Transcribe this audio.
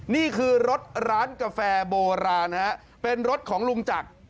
นี่คือรถร้านกาแฟโบราณนะฮะเป็นรถของลุงจักร